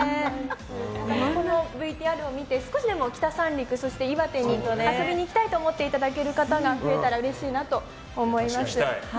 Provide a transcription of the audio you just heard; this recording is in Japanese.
ＶＴＲを見て少しでも北三陸、岩手に遊びに行きたいと思っていただける方が増えたらうれしいなと思います。